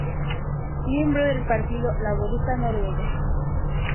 Miembro del Partido Laborista Noruego.